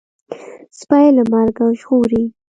سپى له مرګه ژغوري.